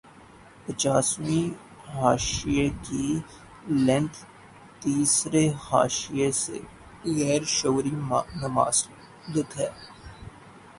پچاسویں حاشیے کی لینتھ تیسرے حاشیے سے غیر شعوری مماثل ہے